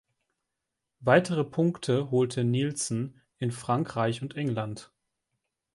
Weitere Punkte holte Nilsson in Frankreich und England.